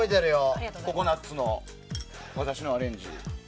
ココナッツの私のアレンジ。